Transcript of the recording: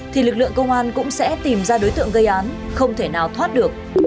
thì lực lượng công an cũng sẽ tìm ra đối tượng gây án không thể nào thoát được